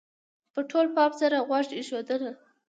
-په ټول پام سره غوږ ایښودنه: